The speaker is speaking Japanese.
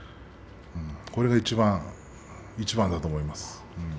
これがいちばんだと思います。